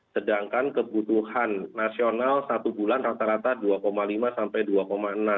sedangkan kebutuhan nasional satu bulan rata rata dua lima sampai dua enam